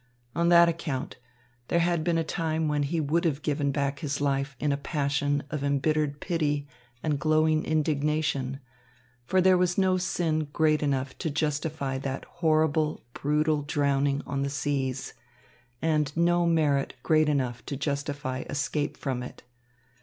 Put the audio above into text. On that account, there had been a time when he would have given back his life in a passion of embittered pity and glowing indignation; for there was no sin great enough to justify that horrible, brutal drowning on the seas and no merit great enough to justify escape from it.